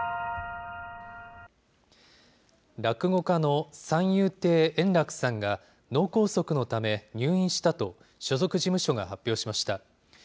落語家の三遊亭円楽さんが脳梗塞のため入院したと、所属事務所が発表しました。